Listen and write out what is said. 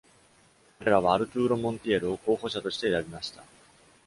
彼らは、アルトゥーロ・モンティエルを候補者として選びました。